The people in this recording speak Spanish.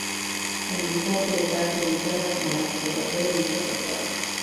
Sandy Porter está acreditada como la fotógrafa de dicha portada.